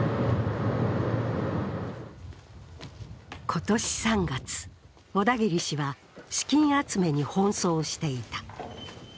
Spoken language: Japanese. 今年３月、小田切氏は、資金集めに奔走していた。